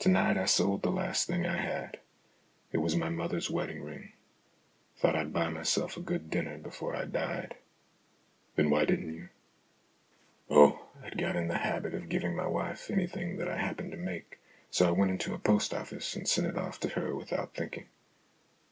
To night I sold the last thing I had. It was my mother's wedding ring. I thought I'd buy myself a good dinner before I died." " Then why didn't you ?" "Oh, I'd got into the habit of giving my wife anything that I happened to make, so I went into a post office and sent it off to her without thinking."